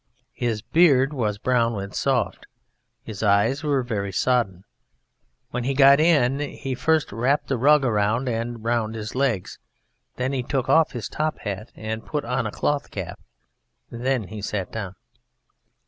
His beard was brown and soft. His eyes were very sodden. When he got in he first wrapped a rug round and round his legs, then he took off his top hat and put on a cloth cap, then he sat down.